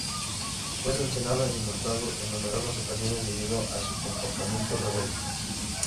Fue sancionado y multado en numerosas ocasiones debido a su comportamiento rebelde.